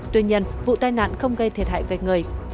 tuy nhiên vụ tai nạn không gây thiệt hại về người